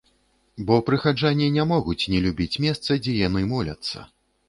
Бо прыхаджане не могуць не любіць месца, дзе яны моляцца.